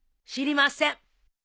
知りません。